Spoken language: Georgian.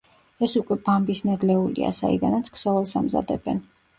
ეს უკვე ბამბის ნედლეულია, საიდანაც ქსოვილს ამზადებენ.